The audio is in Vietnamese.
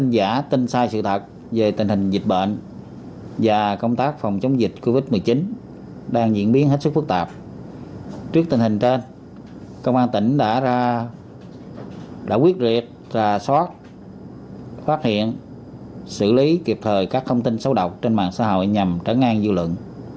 đã quyết rệt và xót phát hiện xử lý kịp thời các thông tin xấu độc trên mạng xã hội nhằm trấn an dư luận